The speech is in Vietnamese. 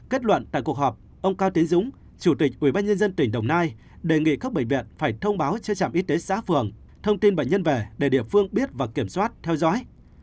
kết luận tại cuộc họp ông cao tiến dũng chủ tịch ubnd tỉnh đồng nai đề nghị các bệnh viện phải thông báo cho trạm y tế xã phường thông tin bệnh nhân về để địa phương biết và kiểm soát theo dõi